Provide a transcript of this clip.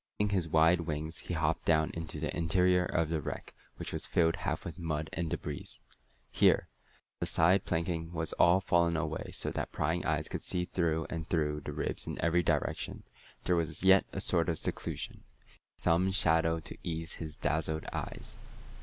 Lifting his wide wings, he hopped down into the interior of the wreck, which was half filled with mud and débris. Here, though the side planking was all fallen away so that prying eyes could see through and through the ribs in every direction, there was yet a sort of seclusion, with some shadow to ease his dazzled eyes.